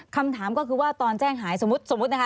คำถามก็คือว่าตอนแจ้งหายสมมุตินะคะ